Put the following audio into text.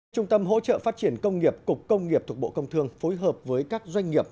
trung tâm hỗ trợ phát triển công nghiệp cục công nghiệp thuộc bộ công thương phối hợp với các doanh nghiệp